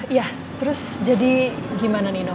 iya terus jadi gimana nino